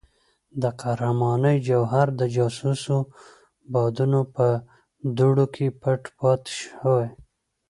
د قهرمانۍ جوهر د جاسوسو بادونو په دوړو کې پټ پاتې شوی.